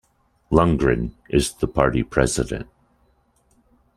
Lundgren is the party president.